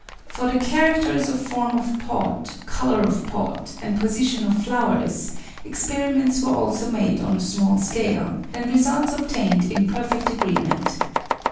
For the characters of form of pod, colour of pod, and position of flowers, experiments were also made on a small scale, and results obtained in perfect agreement.